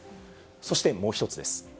そしてもう一つです。